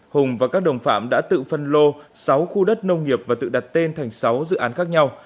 hùng và các đồng phạm đã tự phân lô sáu khu đất nông nghiệp và tự đặt tên thành sáu dự án khác nhau